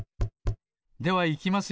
ではいきますよ。